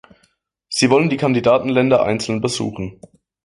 Sie wollen die Kandidatenländer einzeln besuchen.